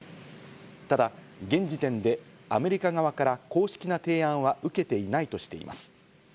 ただ現時点でアメリカ側から公式な提案は受けていないとしています。